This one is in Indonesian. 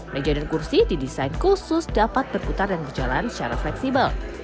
meja dan kursi didesain khusus dapat berputar dan berjalan secara fleksibel